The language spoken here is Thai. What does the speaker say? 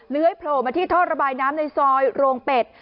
เลื้อยโผล่มาที่ทอดระบายน้ำในซอยโรงเป็ด